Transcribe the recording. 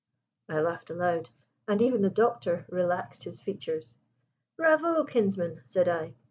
I laughed aloud, and even the Doctor relaxed his features. "Bravo, kinsman!" said I.